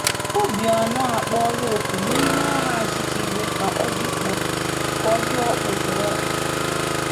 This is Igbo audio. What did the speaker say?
Obianọ Akpọọla Oku Ime Aha Azikiwe Ka Ọ Dị Ọkpụtọrọkpụ